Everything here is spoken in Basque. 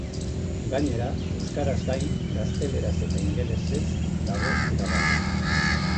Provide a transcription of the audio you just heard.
Gainera, euskaraz gain, gazteleraz eta ingelesez dago eskuragarri.